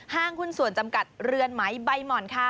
ห้างหุ้นส่วนจำกัดเรือนไหมใบหม่อนค่ะ